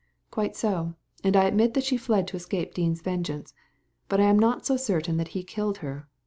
" Quite so ; and I admit that she fled to escape Dean's vengeance, but I am not so certain that he killed her.